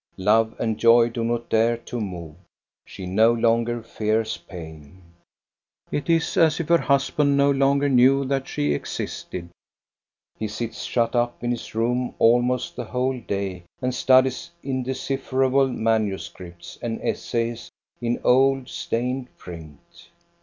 Love and joy do not dare to move. She no longer fears pain. I&ci 1^; It is as if her husband no longer knew that she listed. He sits shut up in his room almost the whole day and studies indecipherable manuscripts and essays in old, stained print.